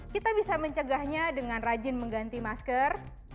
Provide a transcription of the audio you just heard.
kita bisa mencegahnya dengan rajin mengganti masker